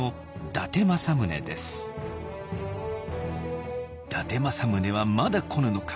「伊達政宗はまだ来ぬのか。